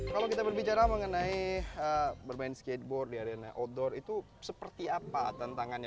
kalau kita berbicara mengenai bermain skateboard di arena outdoor itu seperti apa tantangannya